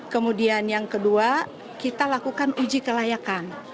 kemudian yang kedua kita lakukan uji kelayakan